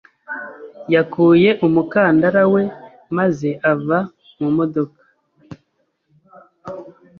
yakuye umukandara we maze ava mu modoka.